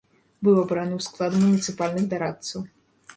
Быў абраны ў склад муніцыпальных дарадцаў.